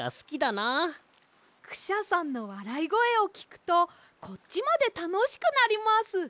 クシャさんのわらいごえをきくとこっちまでたのしくなります。